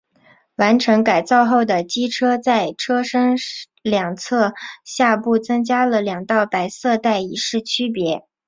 完成改造后的机车在车身两侧下部增加了两道白色带以示区别。